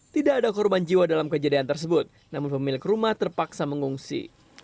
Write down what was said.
tidak ada korban jiwa dalam kejadian tersebut namun pemilik rumah terpaksa mengungsi